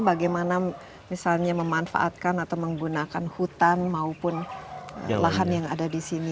bagaimana misalnya memanfaatkan atau menggunakan hutan maupun lahan yang ada di sini